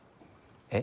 えっ？